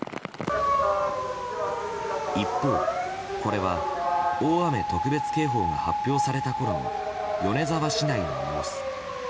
一方、これは大雨特別警報が発表されたころの米沢市内の様子。